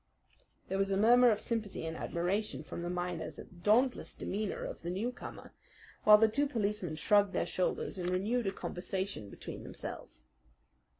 There was a murmur of sympathy and admiration from the miners at the dauntless demeanour of the newcomer, while the two policemen shrugged their shoulders and renewed a conversation between themselves.